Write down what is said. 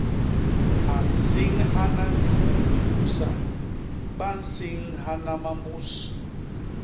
A nsiñhana nyuu ni kusa; ba nsiñhana mambus.